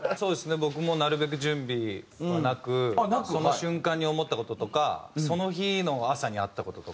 僕もなるべく準備はなくその瞬間に思った事とかその日の朝にあった事とか。